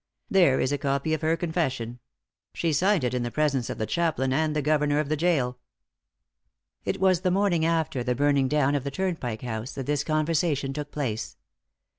"There is a copy of her confession! She signed it in the presence of the chaplain and the governor of the gaol." It was the morning after the burning down of the Turnpike House that this conversation took place.